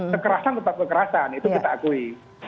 kekerasan tetap kekerasan itu kita akui